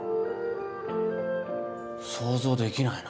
想像できないな。